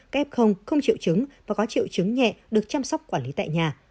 f không triệu chứng và có triệu chứng nhẹ được chăm sóc quản lý tại nhà